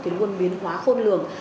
tiến quân biến hóa khôn lường